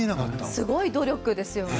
すごい努力ですよね。